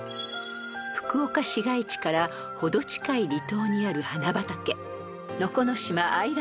［福岡市街地から程近い離島にある花畑］